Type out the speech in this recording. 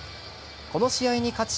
この試合に勝ち